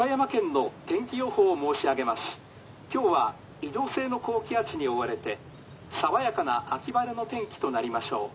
今日は移動性の高気圧に覆われて爽やかな秋晴れの天気となりましょう」。